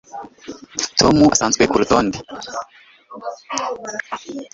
Tom asanzwe kurutonde